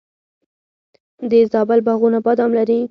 د زابل باغونه بادام لري.